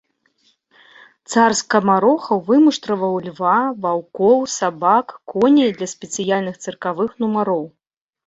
Цар скамарохаў вымуштраваў льва, ваўкоў, сабак, коней для спецыяльных цыркавых нумароў.